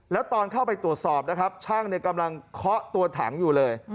แล้วตอนเข้าไปตรวจสอบนะครับช่างกำลังเคาะตัวถังอยู่เลย